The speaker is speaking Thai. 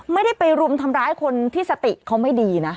ไม่ได้ไปรุมทำร้ายคนที่สติเขาไม่ดีนะ